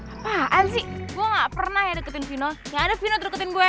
apaan sih gue gak pernah ya deketin vino yang ada vino terdeketin gue